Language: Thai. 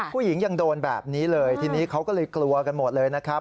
ผู้หญิงยังโดนแบบนี้เลยทีนี้เขาก็เลยกลัวกันหมดเลยนะครับ